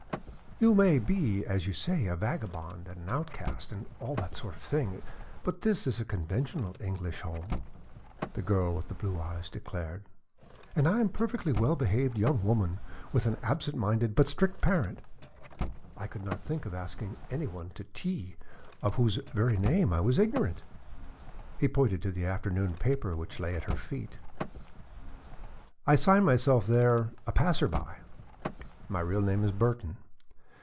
"You may be, as you say, a vagabond and an outcast, and all that sort of thing, but this is a conventional English home," the girl with the blue eyes declared, "and I am a perfectly well behaved young woman with an absent minded but strict parent. I could not think of asking any one to tea of whose very name I was ignorant." He pointed to the afternoon paper which lay at her feet. "I sign myself there 'A Passer by.' My real name is Burton.